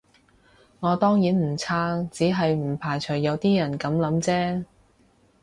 我當然唔撐，只係唔排除有啲人噉諗啫